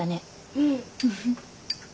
うん。